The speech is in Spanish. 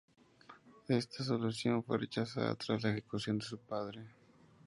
Esta solicitud fue rechazada tras la ejecución de su padre.